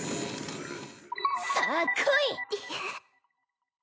さあ来い